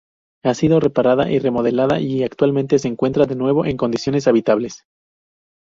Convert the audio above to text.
Ha sido reparada, remodelada y actualmente se encuentra de nuevo en condiciones habitables.